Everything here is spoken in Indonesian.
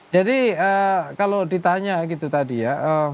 jadi kalau ditanya gitu tadi ya